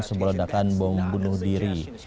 sebuah ledakan bom bunuh diri